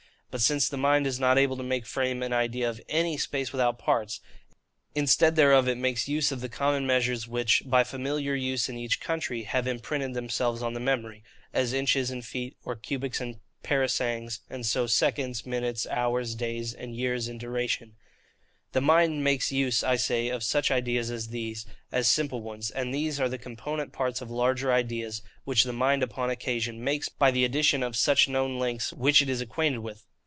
But, since the mind is not able to frame an idea of ANY space without parts, instead thereof it makes use of the common measures, which, by familiar use in each country, have imprinted themselves on the memory (as inches and feet; or cubits and parasangs; and so seconds, minutes, hours, days, and years in duration);—the mind makes use, I say, of such ideas as these, as simple ones: and these are the component parts of larger ideas, which the mind upon occasion makes by the addition of such known lengths which it is acquainted with.